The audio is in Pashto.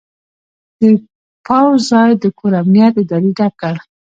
د پوځ ځای د کور امنیت ادارې ډک کړ.